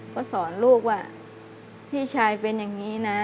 ก็สอนลูกว่าพี่ชายเป็นอย่างนี้นะ